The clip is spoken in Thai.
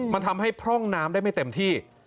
มันทำให้พร่องน้ำได้ไม่เต็มที่